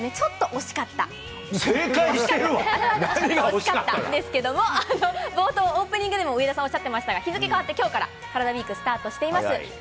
惜しかったんですけれども、冒頭、オープニングでも上田さん、おっしゃってましたけど、日付変わって、きょうからカラダＷＥＥＫスタートしています。